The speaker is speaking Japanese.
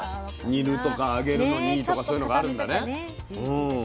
煮るとか揚げるのにいいとかそういうのがあるんだね。